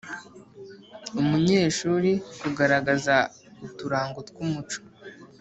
umunyeshuri kugaragaza uturango tw’umuco